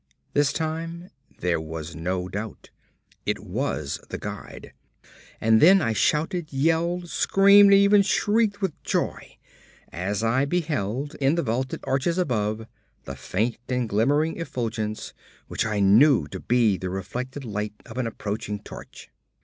This time there was no doubt. It was the guide. And then I shouted, yelled, screamed, even shrieked with joy as I beheld in the vaulted arches above the faint and glimmering effulgence which I knew to be the reflected light of an approaching torch.